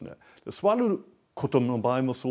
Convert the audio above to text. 座ることの場合もそうですね。